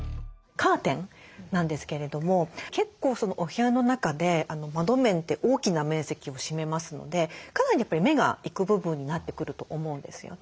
カーテンなんですけれども結構お部屋の中で窓面って大きな面積を占めますのでかなり目がいく部分になってくると思うんですよね。